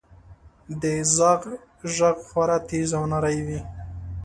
• د زاغ ږغ خورا تیز او نری وي.